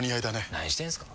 何してんすか。